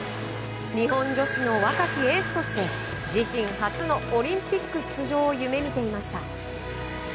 日本女子の若きエースとして自身初のオリンピック出場を夢見ていました。